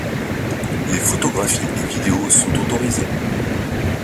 Les photographies et vidéo sont autorisées.